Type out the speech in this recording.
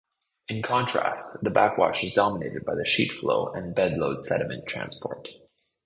In contrast, the backwash is dominated by the sheet flow and bedload sediment transport.